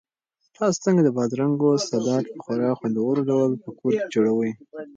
تاسو څنګه د بادرنګو سالاډ په خورا خوندور ډول په کور کې جوړوئ؟